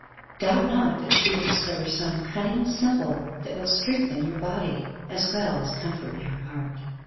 Doubt not that she will discover some cunning simple, that will strengthen your body, as well as comfort your heart.